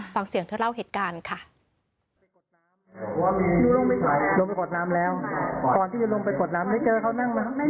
ฟังเสียงเธอเล่าเหตุการณ์ค่ะ